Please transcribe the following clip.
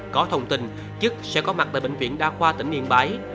có thông tin chức sẽ có mặt tại bệnh viện đa khoa tỉnh yên bái